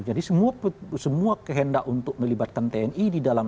jadi semua kehendak untuk melibatkan tni di dalam